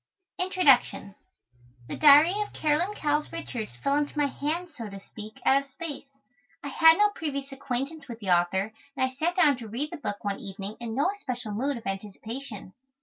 INTRODUCTION The Diary of Caroline Cowles Richards fell into my hands, so to speak, out of space. I had no previous acquaintance with the author, and I sat down to read the book one evening in no especial mood of anticipation.